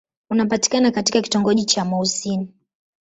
Unapatikana katika kitongoji cha Mouassine.